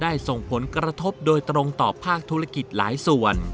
ส่งผลกระทบโดยตรงต่อภาคธุรกิจหลายส่วน